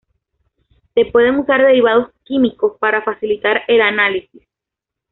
Se pueden usar derivados químicos para facilitar el análisis.